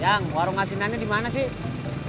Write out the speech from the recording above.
yang warung asinannya dimana sih